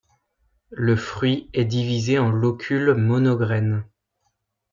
Le fruit est divisé en locules monograines.